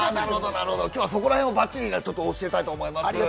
今日はそこらへんをばっちり教えたいと思います。